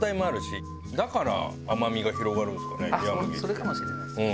それかもしれないですね。